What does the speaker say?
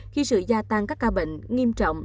khi sự gia tăng các ca bệnh nghiêm trọng